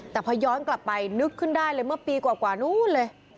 แต่พอย้อนกลับไปนึกขึ้นได้เลยเมื่อปีกว่านู้นเลย